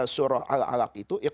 surah al alak itu